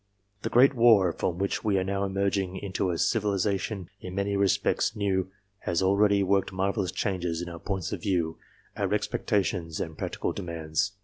The great war from which we are now emerging into a civil ization in many respects new has already worked marvelous changes in our points of view, our expectations and practical demands.